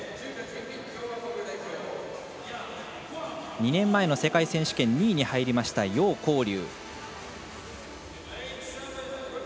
２年前の世界選手権２位に入りました楊光龍。